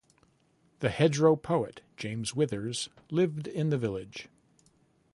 The 'Hedgerow poet' James Withers lived in the village.